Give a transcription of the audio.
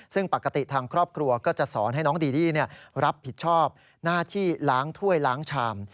ซึ่งปกติทางครอบครัวก็จะสอนให้น้องดีดี้รับผิดชอบหน้าที่ล้างถ้วยล้างชาม